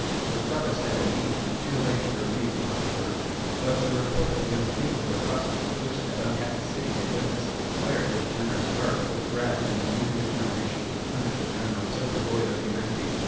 Gustavus had, indeed, come too late to relieve Magdeburg, but the report of the unspeakable atrocities which that unhappy city had witnessed, fired his generous heart with wrath and an eager determination to punish a general so devoid of humanity.